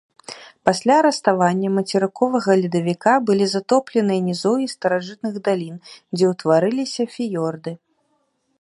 Пасля раставання мацерыковага ледавіка былі затопленыя нізоўі старажытных далін, дзе ўтварыліся фіёрды.